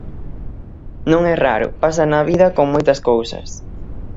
Non é raro, pasa na vida con moitas cousas.